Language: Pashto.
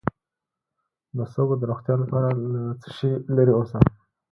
د سږو د روغتیا لپاره له څه شي لرې اوسم؟